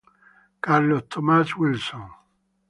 Carlos Tomás Wilson